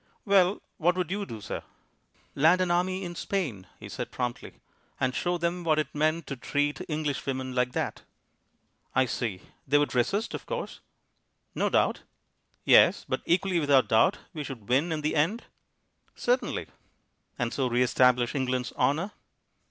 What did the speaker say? "Well, what would you do, sir?" "Land an army in Spain," he said promptly, "and show them what it meant to treat English women like that." "I see. They would resist of course?" "No doubt." "Yes. But equally without doubt we should win in the end?" "Certainly." "And so re establish England's honour."